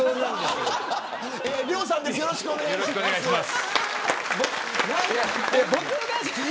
よろしくお願いします。